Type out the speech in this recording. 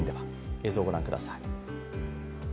映像をご覧ください。